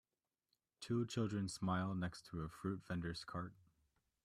Two children smile next to a fruit vendor 's cart.